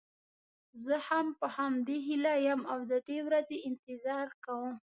زه هم په همدې هیله یم او د دې ورځې انتظار کوم.